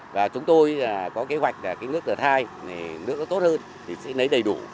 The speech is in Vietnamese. và chúng tôi có kế hoạch là nước đợt hai nước tốt hơn thì sẽ lấy đầy đủ